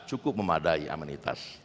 cukup memadai amenitas